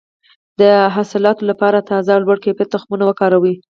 د حاصلاتو لپاره تازه او لوړ کیفیت تخمونه وکاروئ.